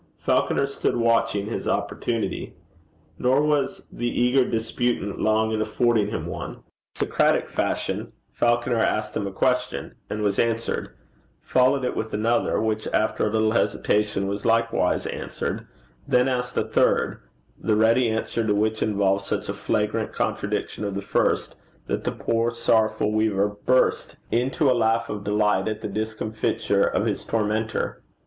Falconer stood watching his opportunity. Nor was the eager disputant long in affording him one. Socratic fashion, Falconer asked him a question, and was answered; followed it with another, which, after a little hesitation, was likewise answered; then asked a third, the ready answer to which involved such a flagrant contradiction of the first, that the poor sorrowful weaver burst into a laugh of delight at the discomfiture of his tormentor.